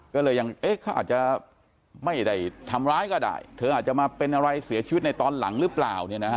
ก็เลยยังเขาอาจจะไม่ได้ทำร้ายก็ได้เธออาจจะมาเป็นอะไรเสียชีวิตในตอนหลังหรือเปล่า